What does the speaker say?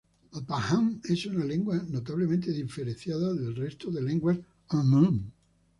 El pa-hng es una lengua notablemente diferenciada del resto de lenguas hmong.